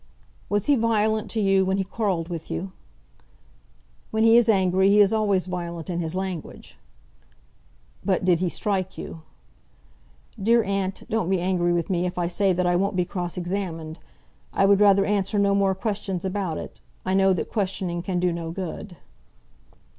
"Was he violent to you when he quarrelled with you?" "When he is angry he is always violent in his language." "But, did he strike you?" "Dear aunt, don't be angry with me if I say that I won't be cross examined. I would rather answer no more questions about it. I know that questioning can do no good."